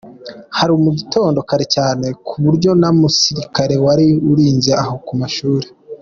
Hari mu gitondo kare cyane ku buryo nta musirikare wari urinze aho ku mashuri.